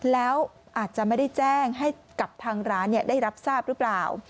แล้วอาจจะไม่ได้แจ้งให้กับทางร้านได้รับทราบหรือเปล่า